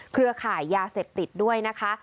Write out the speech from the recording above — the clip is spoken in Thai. เครือข่ายยาเสพติดด้วยนะคะ